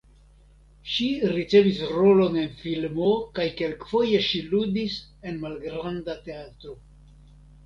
Ŝi ricevis rolon en filmo kaj kelkfoje ŝi ludis en malgranda teatro.